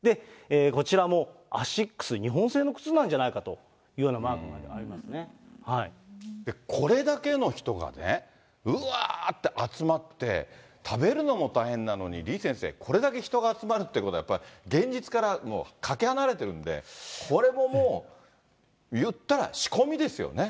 こちらもアシックス、日本製の靴なんじゃないかというようなマーこれだけの人がね、うわーっと集まって、食べるのも大変なのに、李先生、これだけ人が集まるっていうことは、やっぱり現実からもうかけ離れてるんで、これももう、いったら仕込みですよね。